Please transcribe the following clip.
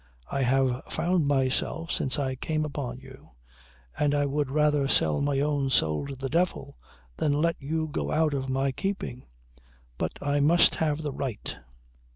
I have found myself since I came upon you and I would rather sell my own soul to the devil than let you go out of my keeping. But I must have the right."